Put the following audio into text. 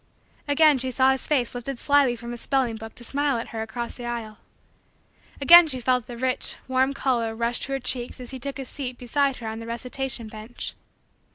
Again she saw his face lifted slyly from a spelling book to smile at her across the aisle. Again she felt the rich, warm, color rush to her cheeks as he took his seat, beside her on the recitation bench.